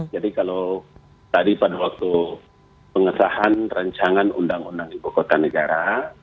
jadi kalau tadi pada waktu pengesahan rencangan undang undang ibu kota negara